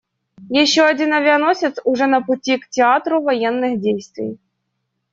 Еще один авианосец уже на пути к театру военных действий.